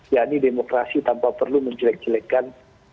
ya ini demokrasi tanpa perlu menjelek jelekkan